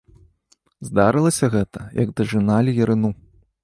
Здарылася гэта, як дажыналі ярыну.